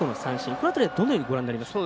この辺りはどのようにご覧になりましたか？